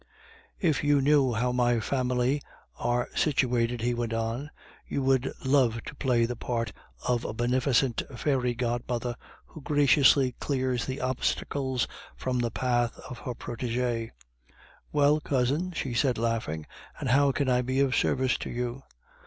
"If you knew how my family are situated," he went on, "you would love to play the part of a beneficent fairy godmother who graciously clears the obstacles from the path of her protege." "Well, cousin," she said, laughing, "and how can I be of service to you?"